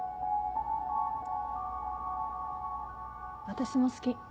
私も好き。